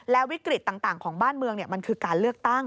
แล้ววิกฤตต่างของบ้านเมืองมันคือการเลือกตั้ง